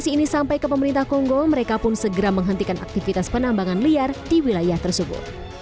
setelah dikumpulkan oleh kepemerintah kongo mereka pun segera menghentikan aktivitas penambangan liar di wilayah tersebut